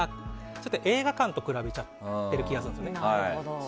それって映画館と比べちゃってる気がするんですね。